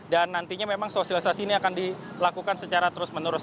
dan nantinya memang sosialisasi ini akan dilakukan secara terus menerus